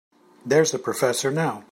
There's the professor now.